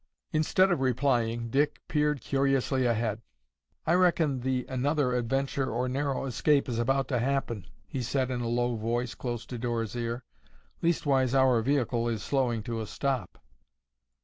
Instead of replying, Dick peered curiously ahead. "I reckon the 'another adventure or narrow escape' is about to happen," he said in a low voice close to Dora's ear. "Leastwise our vehicle is slowing to a stop."